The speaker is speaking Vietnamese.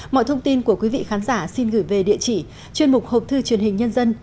mọi thông tin của quý vị khán giả xin gửi về địa chỉ chuyên mục hộp thư truyền hình nhân dân